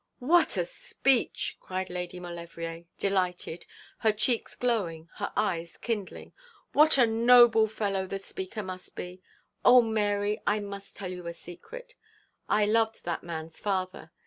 'What a speech!' cried Lady Maulevrier, delighted, her cheeks glowing, her eyes kindling; 'what a noble fellow the speaker must be! Oh, Mary, I must tell you a secret. I loved that man's father.